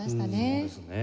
そうですね。